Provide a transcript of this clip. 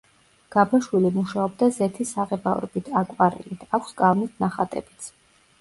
გაბაშვილი მუშაობდა ზეთის საღებავებით, აკვარელით, აქვს კალმით ნახატებიც.